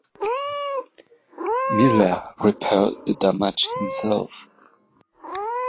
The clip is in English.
Miller repaired the damage himself.